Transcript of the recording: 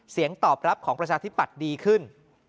เสียงตอบรับของประชาธิปัตย์ดีขึ้น